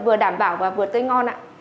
vừa đảm bảo và vừa tươi ngon ạ